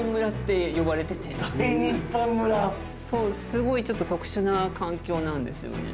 すごいちょっと特殊な環境なんですよね。